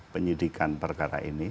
penyidikan perkara ini